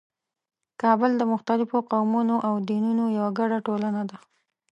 کابل د مختلفو قومونو او دینونو یوه ګډه ټولنه ده.